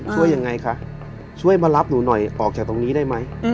ช่วยยังไงคะช่วยมารับหนูหน่อยออกจากตรงนี้ได้ไหม